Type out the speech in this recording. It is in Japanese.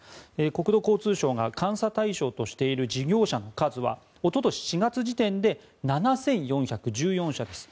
国土交通省が監査対象としている事業者の数はおととし４月時点で７４１４社です。